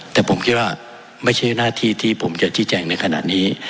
แต่ผมคิดว่าไม่ใช่หน้าที่ที่ผมจะชี้แจงในขณะนี้